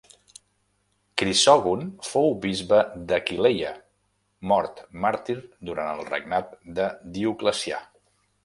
Crisògon fou bisbe d'Aquileia, mort màrtir durant el regnat de Dioclecià.